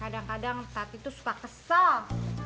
kadang kadang tati tuh suka kesel